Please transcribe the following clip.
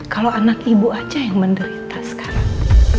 kalau anak ibu aja yang menderita sekarang